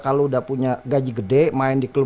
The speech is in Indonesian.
kalau udah punya gaji gede main di klub